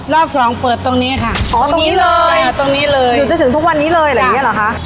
รอบ๒เปิดตรงนี้ค่ะตรงนี้เลยอยู่จนถึงทุกวันนี้เลยอย่างเงี้ยเหรอคะ